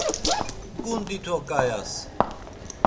ǩundi to gayas!